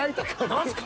「何すか？」。